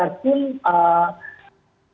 mulai turun posisinya ya